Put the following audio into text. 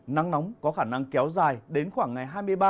nắng nóng có khả năng kéo dài đến khoảng ngày hai mươi ba